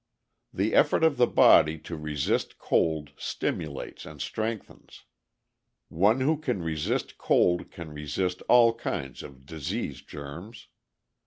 "The effort of the body to resist cold stimulates and strengthens. One who can resist cold can resist all kinds of disease germs.